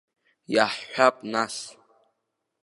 Иаҳҳәап нас.